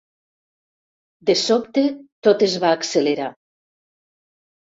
De sobte tot es va accelerar.